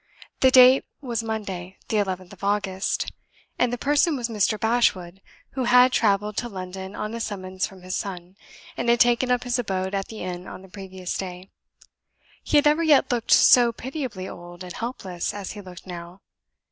The date was Monday, the 11th of August. And the person was Mr. Bashwood, who had traveled to London on a summons from his son, and had taken up his abode at the inn on the previous day. He had never yet looked so pitiably old and helpless as he looked now.